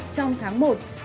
trong tháng một